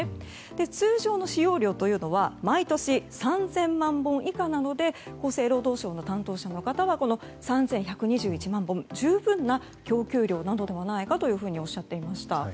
通常の使用量は毎年３０００万本以下なので厚生労働省の担当者の方は３１２１万本は十分な供給量なのではないかとおっしゃていました。